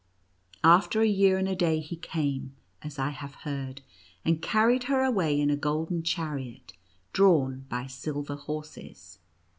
After a year and a day, he came, as I have heard, and carried her away in a golden chariot, drawn by silver horses.